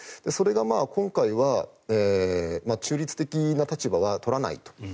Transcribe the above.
それが今回は中立的な立場は取らないと。